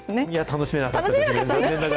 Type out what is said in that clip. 楽しめなかったんですか。